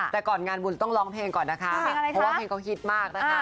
แต่ก่อนงานบุญต้องร้องเพลงก่อนนะคะเพราะว่าเพลงเขาฮิตมากนะคะ